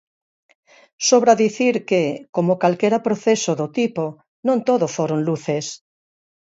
Sobra dicir que, coma calquera proceso do tipo, non todo foron luces.